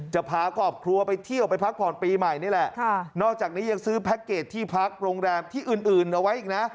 จะพาครอบครัวไปเที่ยวไปพักผ่อนปีใหม่นี่แหละนอกจากนี้ยังซื้อแพ็คเกจที่พักโรงแรมที่อื่นเอาไว้อีกนะ